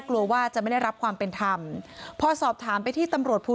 กลัวว่าจะไม่ได้รับความเป็นธรรมพอสอบถามไปที่ตำรวจภู